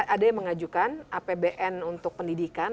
ada yang mengajukan apbn untuk pendidikan